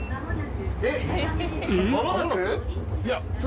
えっ？